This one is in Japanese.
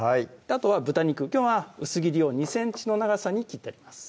あとは豚肉きょうは薄切りを２ｃｍの長さに切ってあります